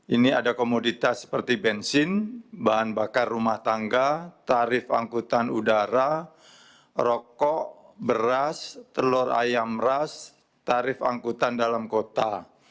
ini ada komoditas seperti bensin bahan bakar rumah tangga tarif angkutan udara rokok beras telur ayam ras tarif angkutan dalam kota